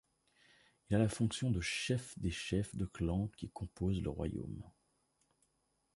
Il a la fonction de chef des chefs de clans qui composent le royaume.